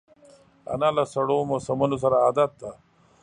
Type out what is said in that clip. انا له سړو موسمونو سره عادت ده